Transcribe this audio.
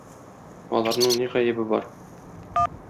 Аларның ни гаебе бар?